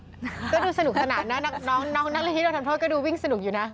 ก็สนุกสนานนะน้องนักเรียนที่โดนทำโทษก็ดูวิ่งสนุกอยู่นะ